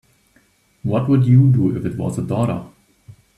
What would you do if it was a daughter?